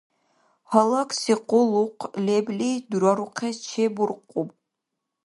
Гьалакси къуллукъ лебли дурарухъес чебуркъуб.